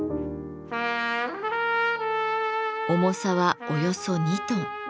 重さはおよそ２トン。